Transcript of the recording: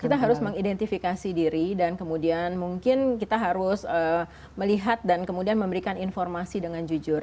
kita harus mengidentifikasi diri dan kemudian mungkin kita harus melihat dan kemudian memberikan informasi dengan jujur